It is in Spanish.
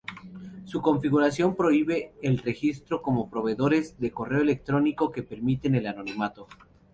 Su configuración prohíbe el registro con proveedores de correo electrónico que permiten el anonimato.